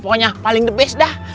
pokoknya paling the best dah